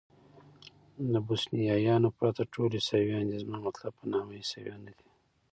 د بوسنیایانو پرته ټول عیسویان دي، زما مطلب په نامه عیسویان نه دي.